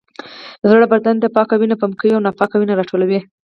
زړه بدن ته پاکه وینه پمپ کوي او ناپاکه وینه راټولوي